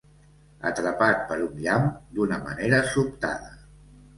Atrapat per un llamp d'una manera sobtada.